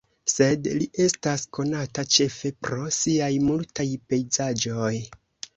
Sed li estas konata ĉefe pro siaj multaj pejzaĝoj.